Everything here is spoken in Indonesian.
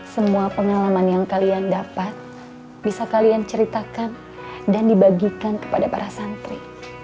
semua pengalaman yang kalian dapat bisa kalian ceritakan dan dibagikan kepada para santri